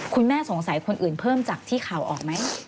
คุณแม่สงสัยคนอื่นเพิ่มจากที่ข่าวออกไหม